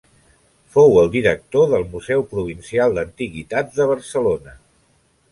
Fou el director del Museu Provincial d'Antiguitats de Barcelona.